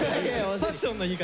ファッションの言い方。